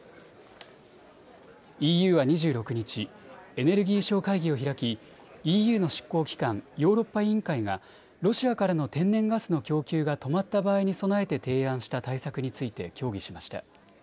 ＥＵは２６日、エネルギー相会議を開きＥＵの執行機関、ヨーロッパ委員会がロシアからの天然ガスの供給が止まった場合に備えて提案した対策について協議しました。